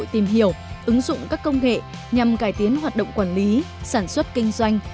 tìm hiểu ứng dụng các công nghệ nhằm cải tiến hoạt động quản lý sản xuất kinh doanh